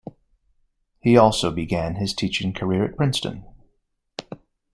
He also began his teaching career at Princeton.